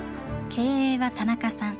経営は田中さん。